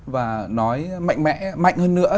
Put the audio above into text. và nói mạnh mẽ mạnh hơn nữa